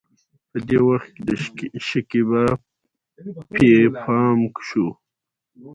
په دې وخت کې د شکيبا پې پام شو.